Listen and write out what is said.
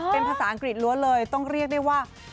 เป็นภาษาอังกฤษล้วนเลยต้องเรียกได้ว่า